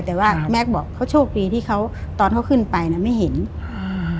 แต่ว่าแม็กซ์บอกเขาโชคดีที่เขาตอนเขาขึ้นไปน่ะไม่เห็นอ่า